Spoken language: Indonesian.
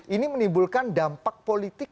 ini menimbulkan dampak politik